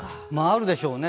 あるでしょうね